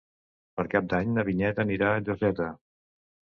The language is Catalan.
Per Cap d'Any na Vinyet anirà a Lloseta.